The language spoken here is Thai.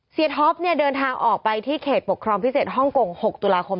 ท็อปเนี่ยเดินทางออกไปที่เขตปกครองพิเศษฮ่องกง๖ตุลาคม